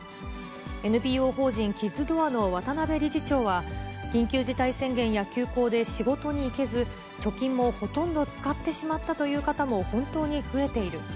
ＮＰＯ法人キッズドアの渡辺理事長は、緊急事態宣言や休校で仕事に行けず、貯金もほとんど使ってしまったという方も本当に増えている。